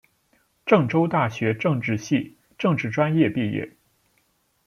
郑州大学政治系政治专业毕业。